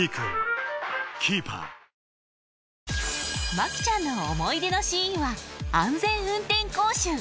麻希ちゃんの思い出のシーンは安全運転講習。